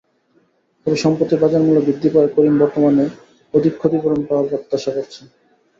তবে সম্পত্তির বাজারমূল্য বৃদ্ধি পাওয়ায় করিম বর্তমানে অধিক ক্ষতিপূরণ পাওয়ার প্রত্যাশা করছে।